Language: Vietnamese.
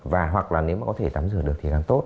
và hoặc là nếu mà có thể tắm rửa được thì làm tốt